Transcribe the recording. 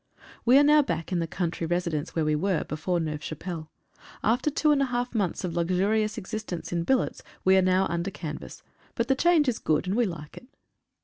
We are now back in the country residence where we were, before Neuve Chapelle. After two and a half months of luxurious existence in billets we are now under canvas, but the change is good, and we like it.